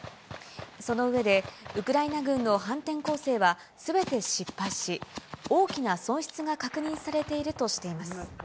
その上で、ウクライナ軍の反転攻勢は、すべて失敗し、大きな損失が確認されているとしています。